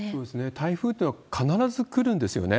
台風っていうのは必ず来るんですよね。